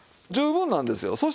十分なんですよ。